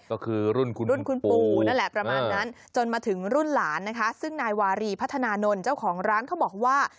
ก็คือรุ่นคุณรุ่นคุณปู่นั่นแหละประมาณนั้นจนมาถึงรุ่นหลานนะคะซึ่งนายวารีพัฒนานนท์เจ้าของร้านเขาบอกว่า